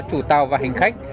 chủ tàu và hành khách